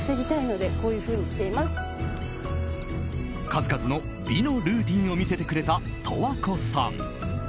数々の美のルーティンを見せてくれた、十和子さん。